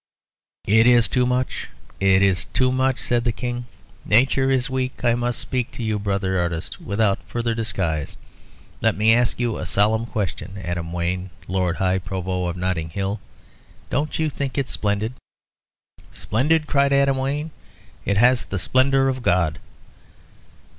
"It is too much it is too much," said the King. "Nature is weak. I must speak to you, brother artist, without further disguise. Let me ask you a solemn question. Adam Wayne, Lord High Provost of Notting Hill, don't you think it splendid?" "Splendid!" cried Adam Wayne. "It has the splendour of God."